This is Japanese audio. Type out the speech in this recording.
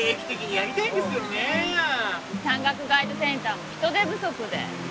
山岳ガイドセンターも人手不足で。